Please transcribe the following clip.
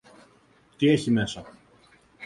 Τι έχει μέσα!